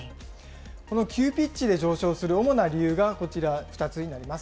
この急ピッチで上昇する主な理由がこちら、２つになります。